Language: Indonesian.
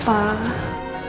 apakah kalau rinaldo ngasih nama